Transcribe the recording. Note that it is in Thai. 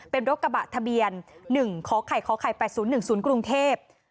เป็นรถกระบะทะเบียน๑ขอไข่คไข่๘๐๑๐กรุงเทพฯ